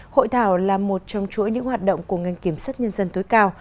hội thảo là một trong chuỗi những hoạt động của ngành kiểm sát nhân dân tối cao